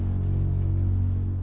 mengheningkan cipta selesai